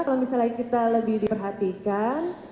kalau misalnya kita lebih diperhatikan